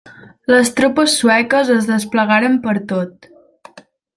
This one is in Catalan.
Les tropes sueques es desplegaren per tot.